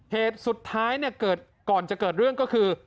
เหตุสุดท้ายเกิดก่อนจะเกิดเรื่องก็คือ